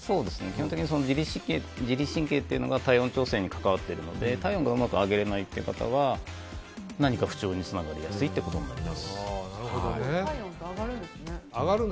基本的に自律神経というのが体温調整に関わっているので体温がうまく上げられない方は何か不調につながりやすいということになります。